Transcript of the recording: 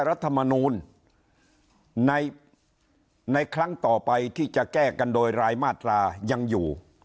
รัฐมนูลในครั้งต่อไปที่จะแก้กันโดยรายมาตรายังอยู่